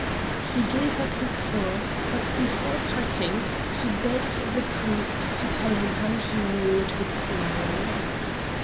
He gave up his horse, but before parting he begged the priest to tell him how he knew it would snow.